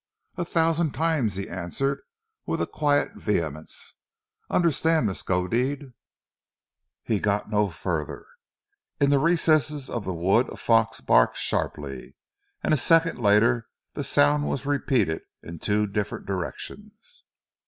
"A thousand times!" he answered with quiet vehemence. "Understand, Miskodeed " He got no further. In the recesses of the wood a fox barked sharply, and a second later the sound was repeated in two different directions.